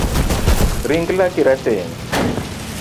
Ring laki rateng’